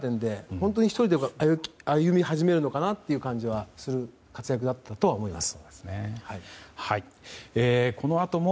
本当に１人で歩み始めるのかなという感じはする活躍だったとは思います。